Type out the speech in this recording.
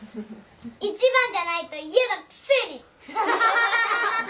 １番じゃないと嫌なくせに！